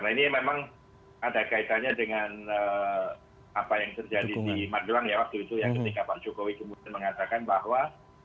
nah ini memang ada kaitannya dengan apa yang terjadi di magelang ya waktu itu ya ketika pak jokowi kemudian mengatakan bahwa